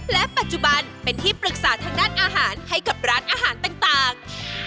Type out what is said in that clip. และปัจจุบันเป็นที่ปรึกษาทางด้านอาหารให้กับร้านอาหารต่าง